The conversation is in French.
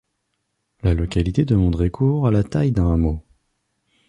La localité de Mondrecourt a la taille d'un hameau.